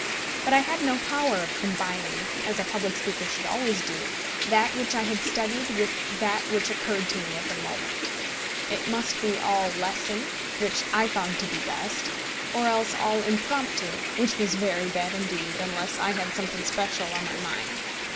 But I had no power of combining, as a public speaker should always do, that which I had studied with that which occurred to me at the moment. It must be all lesson, which I found to be best; or else all impromptu, which was very bad indeed, unless I had something special on my mind.